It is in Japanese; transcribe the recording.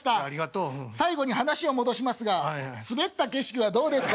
「最後に話を戻しますがスベった景色はどうですか？」。